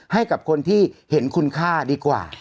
ให้กับคนที่เห็นคุณค่าดีกว่า